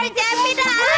di jejen di jejen